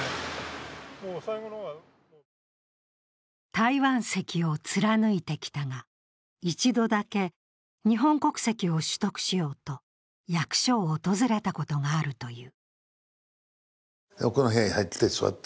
台湾籍を貫いてきたが、一度だけ日本国籍を取得しようと役所を訪れたことがあるという。